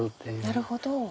なるほど。